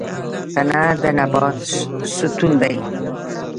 تنه د نبات ستون دی